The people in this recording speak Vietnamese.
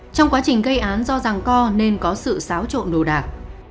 trong quá trình gây án do rằng co nên có sự xáo trộn đồ đạc